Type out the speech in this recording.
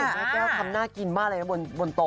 สุดท้ายแก้วทำน่ากินมากเลยนะบนโต๊ะ